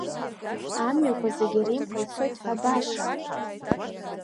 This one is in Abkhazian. Амҩақәа зегь Римҟа ицоит ҳәа баша…